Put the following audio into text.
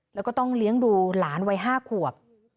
แล้วก็ต้องเลี้ยงดูหลานวัย๕ขวบ